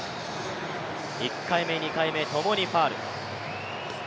１回目、２回目、ともにファウル。